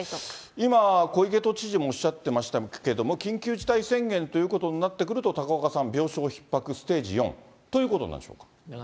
今、小池都知事もおっしゃっていましたけれども、緊急事態宣言ということになってくると、高岡さん、病床ひっ迫、ステージ４ということになるでしょうか。